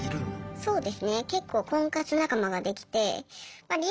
そうです。